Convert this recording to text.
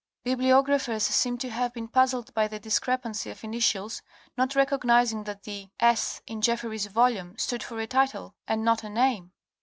Bibliographers seem to have been puzzled by the discrepancy of initials, not recognizing that the 8S. in Jeffery's volume stood for a title and not a name.